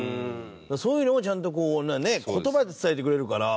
そういうのもちゃんと言葉で伝えてくれるから。